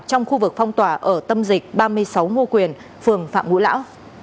trong khu vực phong tỏa ở tâm dịch ba mươi sáu ngô quyền phường phạm ngũ lão